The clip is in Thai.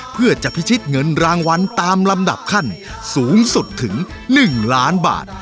เพื่อจะพิชิตเงินรางวัลตามลำดับขั้นสูงสุดถึง๑ล้านบาท